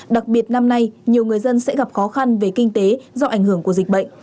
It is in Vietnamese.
đặc biệt năm nay nhiều người dân sẽ gặp khó khăn về kinh tế do ảnh hưởng của dịch bệnh